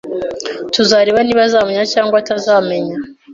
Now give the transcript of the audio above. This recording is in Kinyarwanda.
Tuzareba niba azamenya cyangwa atazamenya.